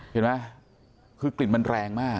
เห็นไหมคือกลิ่นมันแรงมาก